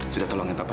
sudah tolongin papa